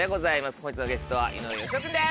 本日のゲストは井上芳雄君です。